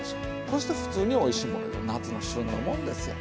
そしてふつうにおいしいものいうのは夏の旬のもんですよ。